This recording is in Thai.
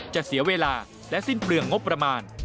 เสียเวลาและสิ้นเปลืองงบประมาณ